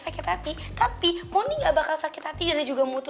ah kenyamu mah kalo kamu ngomong